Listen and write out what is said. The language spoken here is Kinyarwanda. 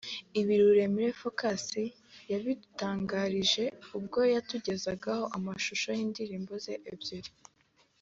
Ibi Ruremire Focus yabidutangarije ubwo yatugezagaho amashusho y’indirimbo ze ebyiri